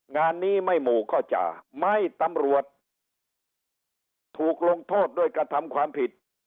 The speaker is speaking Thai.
งานนี้ไม่หมู่ก็จะไม่ตำรวจถูกลงโทษด้วยกระทำความผิด